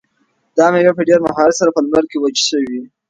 دا مېوې په ډېر مهارت سره په لمر کې وچې شوي.